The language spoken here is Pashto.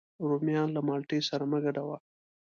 رومیان له مالټې سره مه ګډوه